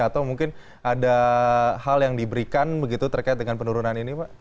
atau mungkin ada hal yang diberikan begitu terkait dengan penurunan ini pak